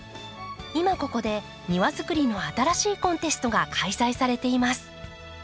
今ここで庭づくりの新しいコンテストが開催されています。